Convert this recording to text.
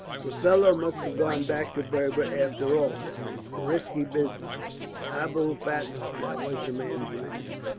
"The fellow must have gone back to Berber after all," said he. "A risky business. Abou Fatma that was the man's name."